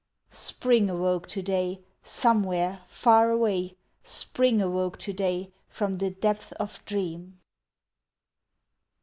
Spring awoke to day! Somewhere far away Spring awoke to day From the depth of dream!